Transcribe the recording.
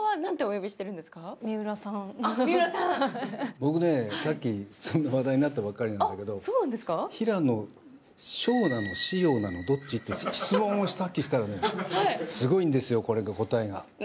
僕ね、さっき話題になったばかりなんだけど、平野紫耀なのなのどっちって聞いたんだけどすごいんですよ、これが答えが。